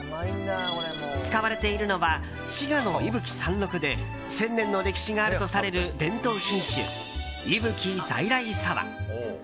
使われているのは滋賀の伊吹山麓で１０００年の歴史があるとされる伝統品種、伊吹在来そば。